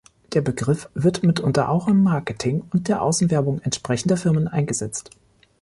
Der Begriff wird mitunter auch im Marketing und der Außenwerbung entsprechender Firmen eingesetzt.